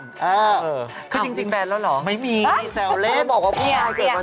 โดยเหตุการณ์ด้วย